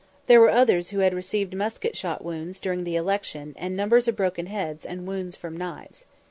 There were others who had received musket shot wounds during the election, and numbers of broken heads, and wounds from knives.